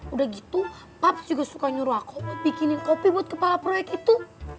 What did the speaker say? udah gitu pubs juga suka nyuruh aku bikinin kopi buat kepala proyek itu